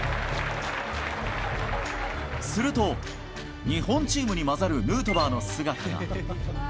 すると、日本チームに交ざるヌートバーの姿が。